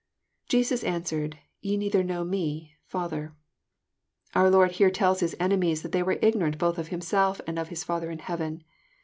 [j€8U9 answered, Te neither know me...Father,'] Our Lord here tells Uis enemies that they were ignorant both of Himself and of Uis Father in heaven.